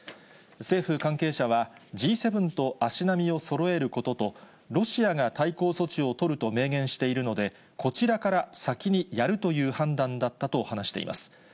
政府関係者は、Ｇ７と足並みをそろえることと、ロシアが対抗措置を取ると明言しているので、こちらから先にやるという判断だったと話しています。